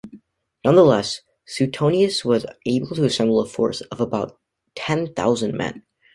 Nonetheless, Suetonius was able to assemble a force of about ten thousand men.